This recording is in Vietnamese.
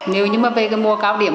nếu như mà về cái mô cao điểm